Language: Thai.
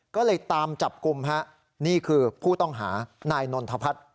ก็เลยตามจับกลุ่มฮะนี่คือผู้ต้องหานายนนทพัฒน์